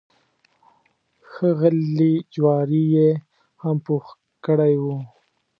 ښه غلي جواري یې هم پوخ کړی و.